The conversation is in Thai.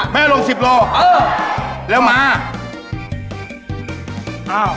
เมื่อลง๑๐กิโลกรัมแล้วมาอ้าว